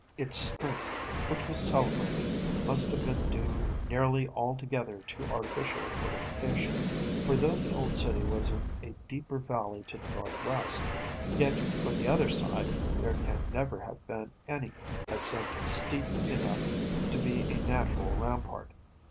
Its strength, which was celebrated, must have been due nearly altogether to artificial fortification, for though the old city was in a deeper valley to the north west, yet from the other side there can never have been any ascent steep enough to be a natural rampart.